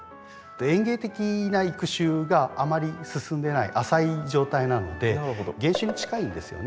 園芸的な育種があまり進んでない浅い状態なので原種に近いんですよね。